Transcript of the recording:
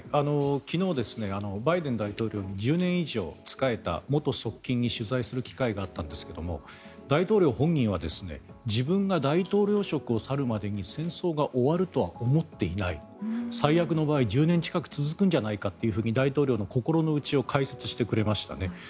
昨日、バイデン大統領に１０年以上仕えた元側近に取材する機会があったんですが大統領本人は自分が大統領職を去るまでは戦争が終わるとは思っていない最悪の場合１０年近く続くんじゃないかと大統領の心の内を解説してくれましたね。